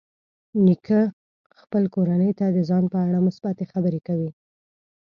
نیکه خپل کورنۍ ته د ځان په اړه مثبتې خبرې کوي.